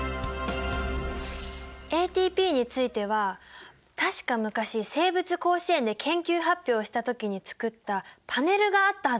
ＡＴＰについては確か昔生物甲子園で研究発表した時に作ったパネルがあったはずなんだけどなあ。